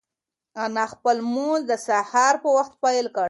انا خپل لمونځ د سهار په وخت پیل کړ.